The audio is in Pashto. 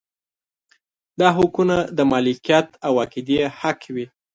دا حقونه د مالکیت او عقیدې حق وي.